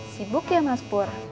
sibuk ya mas pur